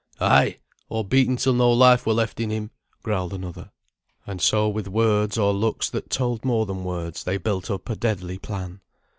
"Ay! or beaten till no life were left in him," growled another. And so with words, or looks that told more than words, they built up a deadly plan.